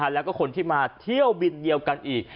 แล้วก็คนที่มาเที่ยวบินเดียวกันอีก